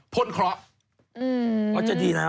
พ้นเคราะห์